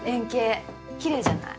きれいじゃない。